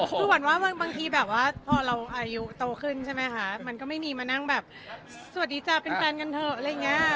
คือเหมือนว่าบางทีแบบว่าพอเราอายุโตขึ้นใช่ไหมคะมันก็ไม่มีมานั่งแบบสวัสดีจ้ะเป็นแฟนกันเถอะอะไรอย่างนี้